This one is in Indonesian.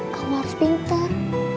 kamu harus pintar